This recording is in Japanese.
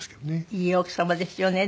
いい奥様ですよね。